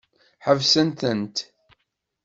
Ḥebset-tent!